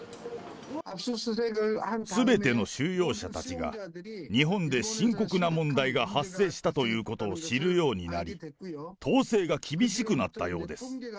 すべての収容者たちが、日本で深刻な問題が発生したということを知るようになり、統制が厳しくなったようです。